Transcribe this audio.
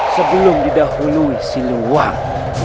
sebelum didahului siluwang